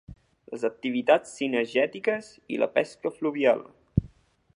Les activitats cinegètiques i la pesca fluvial.